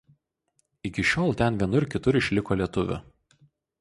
Iki šiol ten vienur kitur išliko lietuvių.